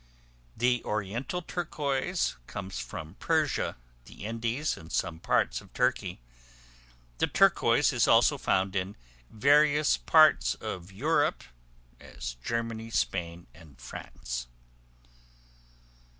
The Oriental Turquois comes from Persia, the Indies, and some parts of Turkey; the turquois is also found in various parts of Europe, as Germany, Spain, and France.